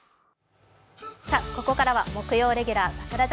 ここからは木曜レギュラー櫻坂